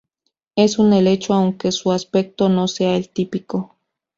Es un helecho, aunque su aspecto no sea el típico.